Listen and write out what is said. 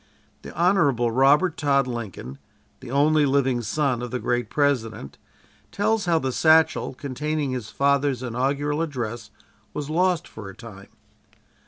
The Hon. Robert Todd Lincoln, the only living son of the great President, tells how the satchel containing his father's inaugural address was lost for a time.